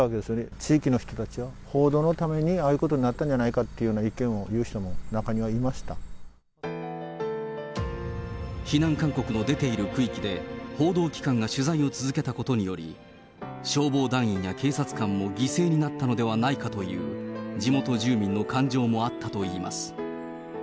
地域の人たちは報道のために、ああいうことになったんではないかという意見を言う人も中にはい避難勧告の出ている区域で、報道機関が取材を続けたことにより、消防団員や警察官も犠牲になったのではないかという、地元住民の感情もあったといいます。